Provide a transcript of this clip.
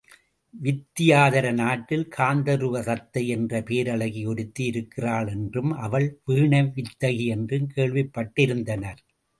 வித்தியாதர நாட்டில் காந்தருவ தத்தை என்ற பேரழகி ஒருத்தி இருக்கிறாள் என்றும், அவள் வீணை வித்தகி என்றும் கேள்விப்பட்டிருந்தனர்.